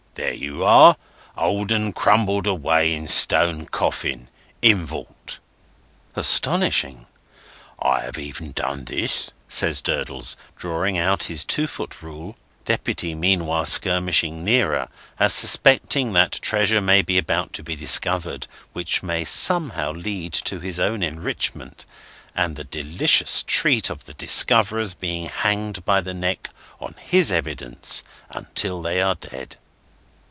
There you are! Old 'un crumbled away in stone coffin, in vault!" "Astonishing!" "I have even done this," says Durdles, drawing out his two foot rule (Deputy meanwhile skirmishing nearer, as suspecting that Treasure may be about to be discovered, which may somehow lead to his own enrichment, and the delicious treat of the discoverers being hanged by the neck, on his evidence, until they are dead).